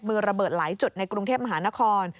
ระเบิดหลายจุดในกรุงเทพมหานคร